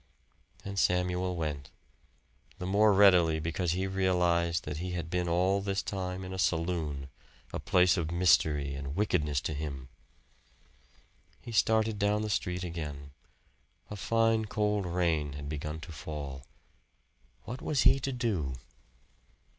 And Samuel went the more readily because he realized that he had been all this time in a saloon, a place of mystery and wickedness to him. He started down the street again. A fine cold rain had begun to fall. What was he to do?